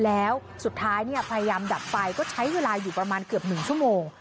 แล้วสุดท้ายพยายามดับไฟก็ใช้เวลาอยู่ประมาณเกือบ๑ชั่วโมง